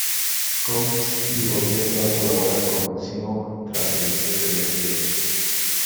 Comics, y volviendo a colaborar en Cimoc tras el cierre de aquella.